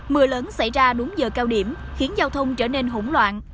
mưa lớn xảy ra đúng giờ cao điểm khiến giao thông trở nên hỗn loạn